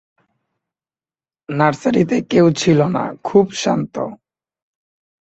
নার্সারিতে কেউ ছিল না, খুব শান্ত।